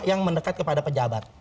yang mendekat kepada pejabat